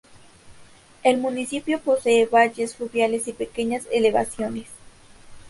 El municipio posee valles fluviales y pequeñas elevaciones.